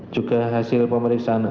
juga hasil pemeriksaan